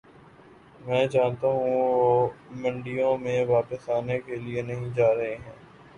میں جانتا ہوں وہ منڈیوں میں واپس آنے کے لیے نہیں جا رہے ہیں